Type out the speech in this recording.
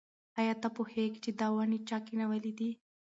ایا ته پوهېږې چې دا ونې چا کینولي دي؟